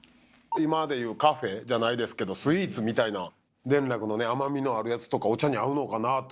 今でいうカフェじゃないですけどスイーツみたいな田楽のね甘みのあるやつとかお茶に合うのかなと。